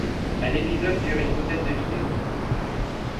Un épisode dure une douzaine de minutes.